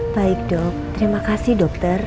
baik dok terima kasih dokter